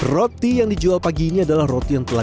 roti yang dijual pagi ini adalah roti yang telah